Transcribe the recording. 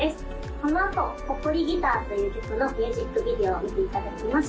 このあと「埃ギター」という曲のミュージックビデオを見ていただきます